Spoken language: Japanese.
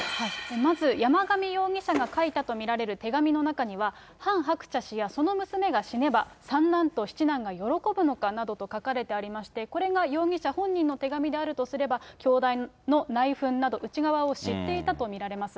まず、山上容疑者が書いたと見られる手紙の中には、ハン・ハクチャ氏やその娘が死ねば、三男と七男が喜ぶのかなどと書かれてありまして、これが容疑者本人の手紙であるとするなら、教団の内紛など、内側を知っていたと見られます。